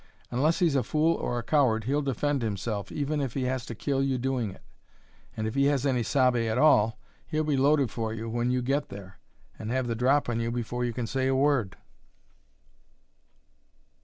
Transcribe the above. Unless he's a fool or a coward he'll defend himself, even if he has to kill you doing it. And if he has any sabe at all he'll be loaded for you when you get there, and have the drop on you before you can say a word."